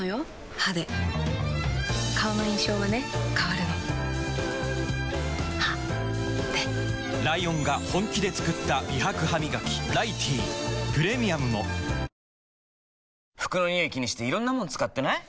歯で顔の印象はね変わるの歯でライオンが本気で作った美白ハミガキ「ライティー」プレミアムも服のニオイ気にしていろんなもの使ってない？